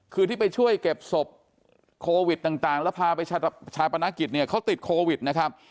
คือที่ไปช่วยเก็บศพโควิดต่างแล้วพาไปชาปนกิจเนี่ยเขาติดโควิดนะครับ